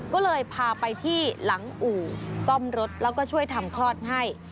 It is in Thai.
ก็เลยพาไปที่หลังอู่ซ่อมรถแล้วก็ช่วยทำคลอดให้